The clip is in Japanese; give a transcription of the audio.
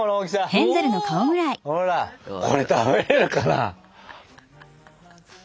これ食べれるかな。